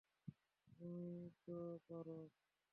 তুমিও তা পারো।